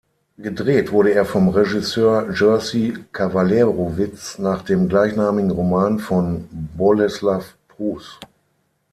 Gedreht wurde er vom Regisseur Jerzy Kawalerowicz nach dem gleichnamigen Roman von Bolesław Prus.